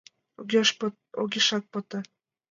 Огешак пыте.